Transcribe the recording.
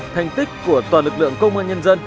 thành tích của toàn lực lượng công an nhân dân